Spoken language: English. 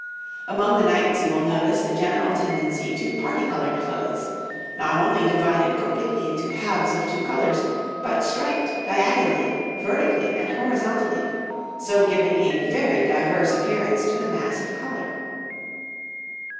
Among the knights you will notice the general tendency to parti coloured clothes, not only divided completely into halves of two colours, but striped diagonally, vertically, and horizontally, so giving a very diverse appearance to the mass of colour.